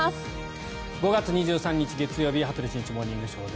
５月２３日、月曜日「羽鳥慎一モーニングショー」。